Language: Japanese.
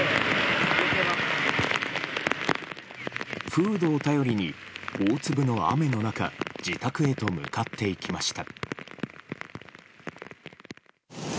フードを頼りに、大粒の雨の中自宅へと向かっていきました。